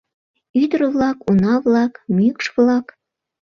Ӱдыр-влак, уна-влак, мӱкш-влак.